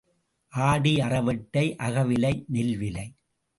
ஆடி அறவெட்டை, அகவிலை நெல் விலை.